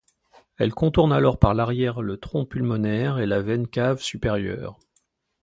Elle contourne alors par l'arrière le tronc pulmonaire et la veine cave supérieure.